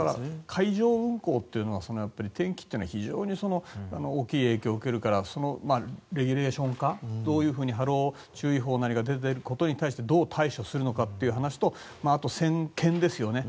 海上運航というのは天気に非常に大きい影響を受けるからそのレギュレーションか波浪注意報が出ているなりとかどう対処するのかという話とあと先見ですよね。